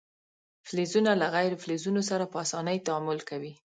فلزونه له غیر فلزونو سره په اسانۍ تعامل کوي.